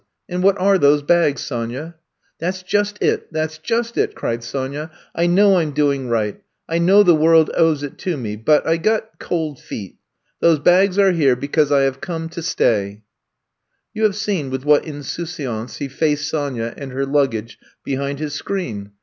And what are those bags, Sonyaf , That 's just it— that 's just it!'* cried Sonya. I know I 'm doing right. I know the world owes it to me — but I got — cold feet. Those bags are here because / have come to stayT' You have seen with what insouciance he faced Sonya and her luggage behind his screen.